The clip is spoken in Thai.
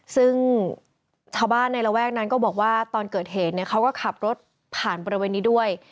ซึ่งชาวบ้านในระแวกนั้นก็บอกว่าตอนเกิดเหตุเนี่ยเขาก็ขับรถผ่านบริเวณนี้ด้วย